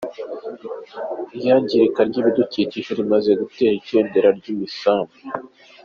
Iyangirika ry’ibidukikije rimaze gutera ikendera ry’imisambi